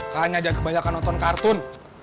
kalian jangan kebanyakan nonton kartun